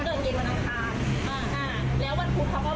หนูก็รู้ในตัวเองนะพี่เพราะว่า